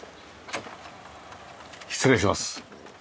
失礼します。